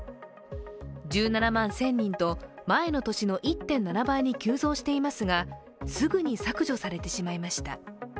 １７万１０００人と前の年の１．７倍に急増していますがすぐに削除されてしまいました。